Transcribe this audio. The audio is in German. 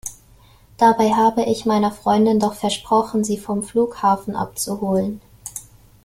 Dabei habe ich meiner Freundin doch versprochen, sie vom Flughafen abzuholen.